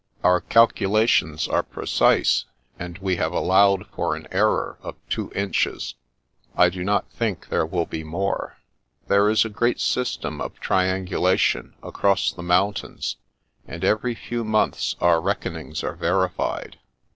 " Our calcula tions are precise, and we have allowed for an error of two inches: I do not think there will be more. There is a great system of triangulation across the mountains, and every few months our reckonings are verified.